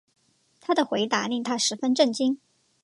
他的回答令她十分震惊